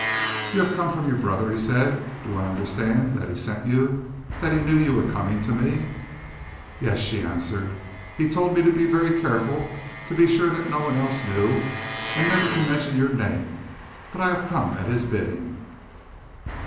"You have come from your brother," he said. "Do I understand that he sent you that he knew you were coming to me?" "Yes!" she answered. "He told me to be very careful, to be sure that no one else knew, and never to mention your name, but I have come at his bidding."